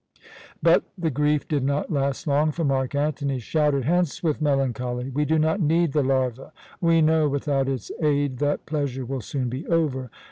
But the grief did not last long, for Mark Antony, shouted: "Hence with melancholy! We do not need the larva!* We know, without its aid, that pleasure will soon be over!